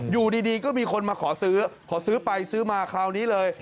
อยู่ดีก็มีคนมาขอซื้อขอซื้อไปซื้อมาคราวนี้เลย